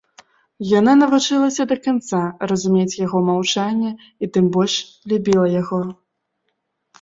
Яна навучылася да канца разумець яго маўчанне і тым больш любіла яго.